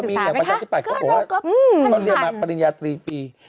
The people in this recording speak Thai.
เอาไปเรื่องการศึกษาไหมคะอืมมันทันเรียนมาปริญญา๓ปี